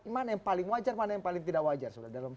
mana yang paling wajar mana yang paling tidak wajar